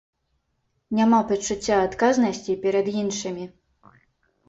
Няма пачуцця адказнасці перад іншымі.